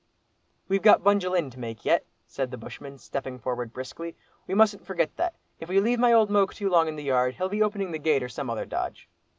"We've got Bunjil Inn to make yet," said the bushman, stepping forward briskly; "we mustn't forget that, if we leave my old moke too long in the yard, he'll be opening the gate or some other dodge."